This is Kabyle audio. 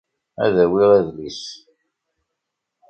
Ad awiɣ adlis.